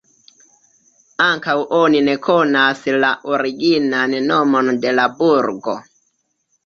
Ankaŭ oni ne konas la originan nomon de la burgo.